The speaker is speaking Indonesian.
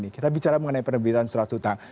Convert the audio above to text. kita bicara mengenai penerbitan surat utang